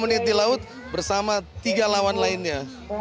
tiga puluh menit di laut bersama tiga lawan lainnya